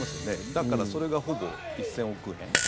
だからそれがほぼ１０００億円。